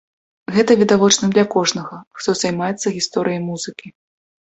Гэта відавочна для кожнага, хто займаецца гісторыяй музыкі.